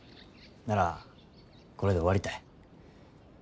ならこれで終わりたい。